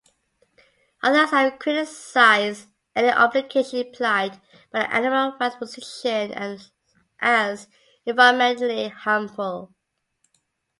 Others have criticized any obligation implied by the animal rights position as environmentally harmful.